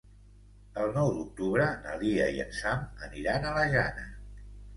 El nou d'octubre na Lia i en Sam aniran a la Jana.